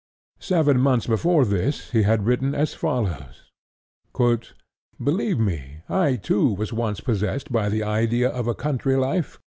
Seven months before this he had written as follows: "Believe me, I too was once possessed by the idea of a country life.